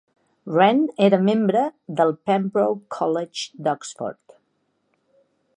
Wrenn era membre del Pembroke College d'Oxford.